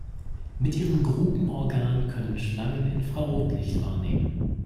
Mit ihrem Grubenorgan können Schlangen Infrarotlicht wahrnehmen.